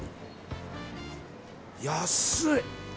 安い！